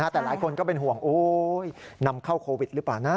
แต่หลายคนก็เป็นห่วงนำเข้าโควิดหรือเปล่านะ